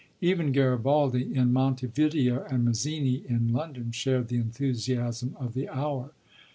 Even Garibaldi in Monte Video, and Mazzini in London, shared the enthusiasm of the hour."